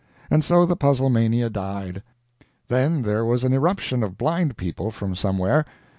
And so the puzzle mania died. Then there was an irruption of blind people from somewhere.